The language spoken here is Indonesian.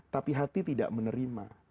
tapi hati tidak menerima